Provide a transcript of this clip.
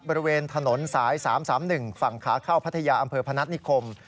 บริเวณถนนสาย๓๓๑ฝั่งขาเข้าพัทยาอำเภอพนัฐนิคม